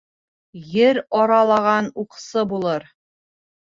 Ер аралаған уҡсы булыр.